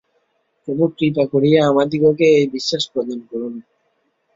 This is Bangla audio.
প্রভু কৃপা করিয়া আমাদিগকে এই বিশ্বাস প্রদান করুন।